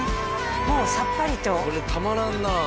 もうさっぱりとこれたまらんなあ